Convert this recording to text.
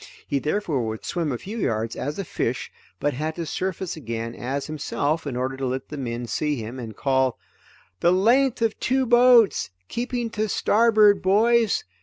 He therefore would swim a few yards as a fish, but had to surface again as himself in order to let the men see him, and call: "The length of two boats, keeping to starboard, boys.